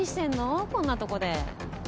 こんなとこで。